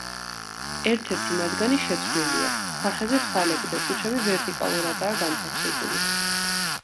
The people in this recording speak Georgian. ერთ-ერთი მათგანი შეცვლილია, სახეზე თვალები და ტუჩები ვერტიკალურადაა განთავსებული.